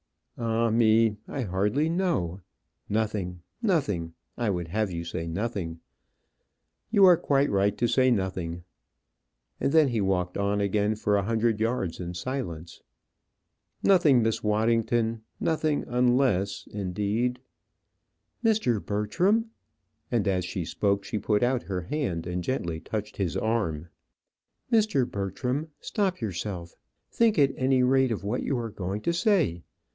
"Ah me! I hardly know. Nothing nothing I would have you say nothing. You are quite right to say nothing." And then he walked on again for a hundred yards in silence. "Nothing, Miss Waddington, nothing; unless, indeed " "Mr. Bertram;" and as she spoke she put out her hand and gently touched his arm. "Mr. Bertram, stop yourself; think, at any rate, of what you are going to say.